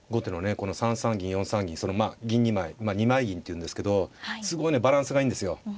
この３三銀４三銀そのまあ銀２枚二枚銀っていうんですけどすごいねバランスがいいんですよ。